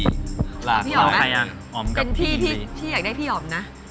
พี่อ๋อมนะอ๋อมกับพี่หญิงลีเป็นพี่พี่พี่อยากได้พี่อ๋อมนะ